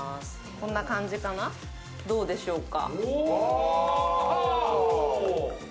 こんな感じかな、どうでしょうか？